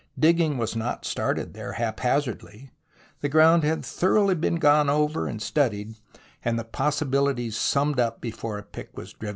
Digging was not started there haphazard. The ground had been thoroughly gone over and studied, and the possibilities summed up before the pick was driven > 2 W rr.